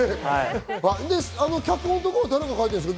脚本とかは誰が書いているんですか？